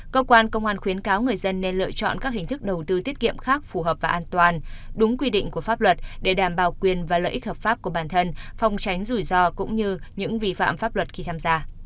cơ quan công an khuyến cáo người dân nên lựa chọn các hình thức đầu tư tiết kiệm khác phù hợp và an toàn đúng quy định của pháp luật để đảm bảo quyền và lợi ích hợp pháp của bản thân phòng tránh rủi ro cũng như những vi phạm pháp luật khi tham gia